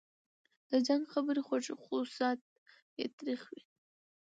د جنګ خبري خوږې خو ساعت یې تریخ وي